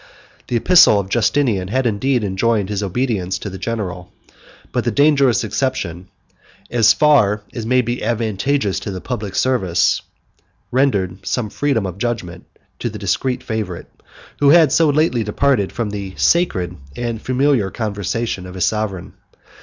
The epistle of Justinian had indeed enjoined his obedience to the general; but the dangerous exception, "as far as may be advantageous to the public service," reserved some freedom of judgment to the discreet favorite, who had so lately departed from the sacred and familiar conversation of his sovereign.